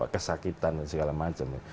kesakitan dan segala macam